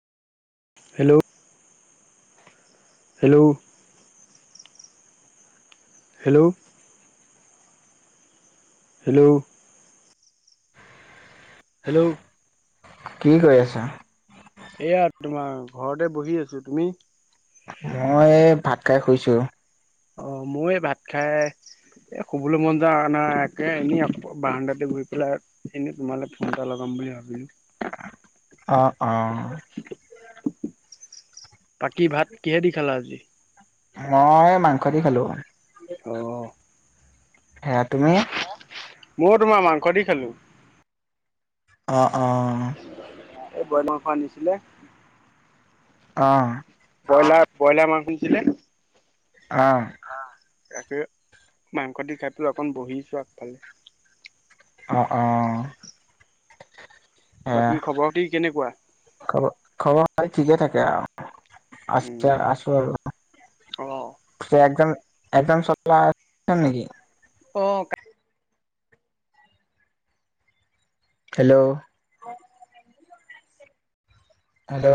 Hello hello. Hello hello hello কি কৰি আছা এয়া তোমাৰ ঘৰতে বহি আছো তুমি কাই শুইছো অ মোৰ এই ভাত খাই এ শুবলৈ মন যায় একে এনে বানডাতে বহি পেলাই এনে তোমাল ফোন লগাও বুলি ভাবিলোঁ অ অ পাকী ভাত কিহে দি খালা আজি মই মাংস দি খালো অ সেয়া তুমি মইয়ো তোমাৰ মাংস দি খালোঁ অ' অ'। এই ব্ৰইলাৰ মাংস আনিছিলে। আহ। ব্ৰইলাৰ ব্ৰইলাৰ মাংস আনিছিলে। আহ। তাকে মাংস দি খাই পেলাই অকণ বহিছোঁ আগফালে। বাকী আহ, খবৰ খাতি কেনেকুৱা খবৰ খবৰ হয় ঠিকেই থাকে। আছে আছে‌ উম আছো আৰু অ পিছে একদম একদম চলাই আ নেকি অ'। Hello hello